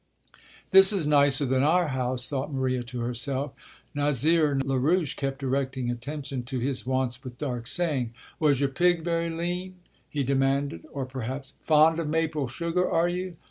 "This is nicer than our house," thought Maria to herself. Nazaire Larouche kept directing attention to his wants with dark sayings: "Was your pig very lean?" he demanded; or perhaps: "Fond of maple sugar, are you?